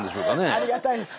ありがたいです。